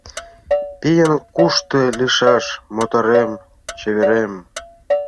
— Пийын кушто лийшаш, моторем-чеверем?